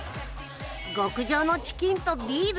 極上のチキンとビール！